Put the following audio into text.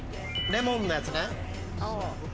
レモンのやつね。